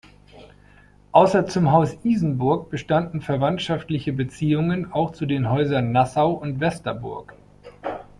Außer zum Haus Isenburg bestanden verwandtschaftliche Beziehungen auch zu den Häusern Nassau und Westerburg.